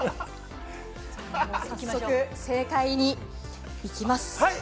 早速正解に行きます。